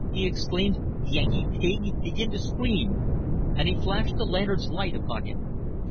he exclaimed. "Yankee pig, begin to scream!" And he flashed the lantern's light upon him.